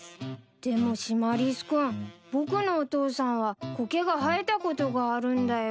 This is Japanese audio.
でもシマリス君僕のお父さんはコケが生えたことがあるんだよ。